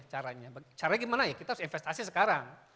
caranya caranya gimana ya kita harus investasi sekarang